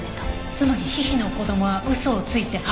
つまりヒヒの子供は嘘をついて母親を欺いた。